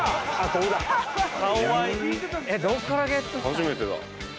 初めてだ。